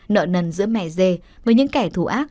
nợ nần giữa mẻ dê với những kẻ thù ác